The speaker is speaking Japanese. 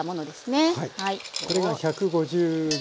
これが１５０ｇ。